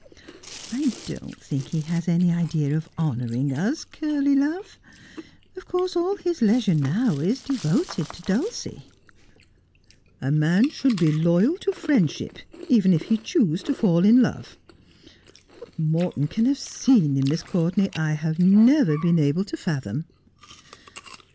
' I don't think he has any idea of honouring us, Curly love. Of course all his leisure now is devoted to Dulcie.' 126 Just as 1 Am. 'A man should be loyal to friendship even if he choose to fall in love. What Morton can have seen in Miss Courtenay I have never been able to fathom.'